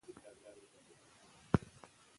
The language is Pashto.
لیکوال عبدالباري جهاني د تاریخ پېچلې غوټې راسپړي.